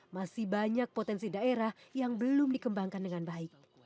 masih banyak potensi daerah yang belum dikembangkan dengan baik